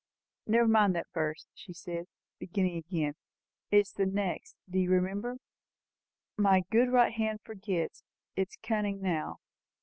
"Never mind that verse," she said, beginning again; "it is the next. Do you remember? 'My good right hand forgets Its cunning now.